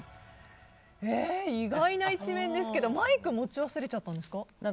意外な一面ですけどマイクを持ち忘れちゃったんですか。